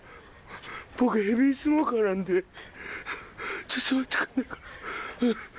僕ヘビースモーカーなんでちょっと待って。